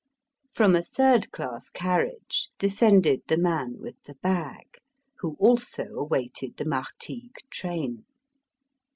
From a third class carriage descended the man with the bag, who also awaited the Martigues train.